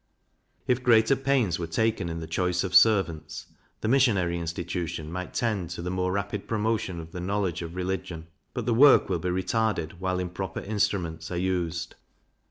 If greater pains were taken in the choice of servants, the Missionary institution might tend to the more rapid promotion of the knowledge of religion; but the work will be retarded while improper instruments are used.